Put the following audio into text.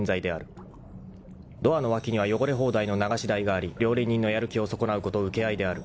［ドアの脇には汚れ放題の流し台があり料理人のやる気を損なうこと請け合いである］